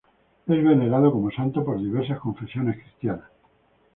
Es venerado como santo por diversas confesiones cristianas.